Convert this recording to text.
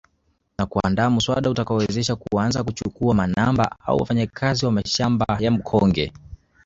Na kuandaa muswada utakaowezesha kuanza kuchukua manamba au wafanyakazi wa mashamba ya mkonge